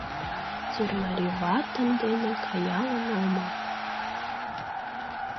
Сӧрмариватын дене каялын омыл.